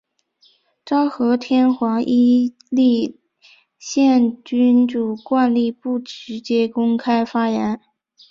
昭和天皇依立宪君主惯例不直接公开发言。